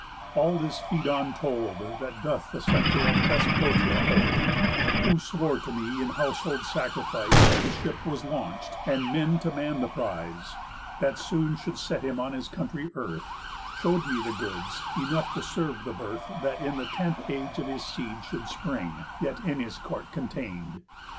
All this Phædon told, That doth the sceptre of Thesprotia hold, Who swore to me, in household sacrifice, The ship was launch'd, and men to man the prise, That soon should set him on his country earth, Show'd me the goods, enough to serve the birth That in the tenth age of his seed should spring, Yet in his court contain'd.